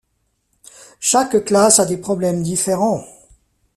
Chaque classe a des problèmes différents.